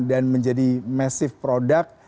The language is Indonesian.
dan menjadi massive product